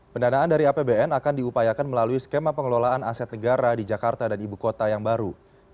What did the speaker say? pendanaan dari apbn akan diupayakan melalui skema pengelolaan aset negara di jakarta dan ibu kota yang baru